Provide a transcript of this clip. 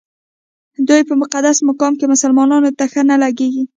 دوی په مقدس مقام کې مسلمانانو ته ښه نه لګېږي.